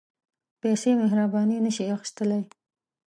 پېسې مهرباني نه شي اخیستلای.